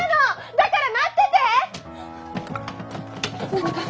だから待っててッ！